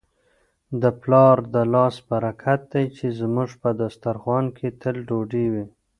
د پلار د لاس برکت دی چي زموږ په دسترخوان کي تل ډوډۍ وي.